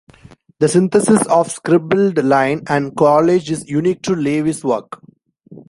The synthesis of scribbled line and collage is unique to Lavie's work.